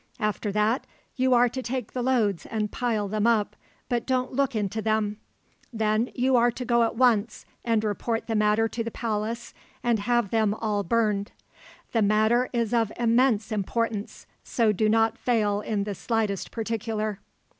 After that, you are to take the loads and pile them up, but don't look into them. Then you are to go at once and report the matter to the Palace and have them all burned. The matter is of immense importance, so do not fail in the slightest particular."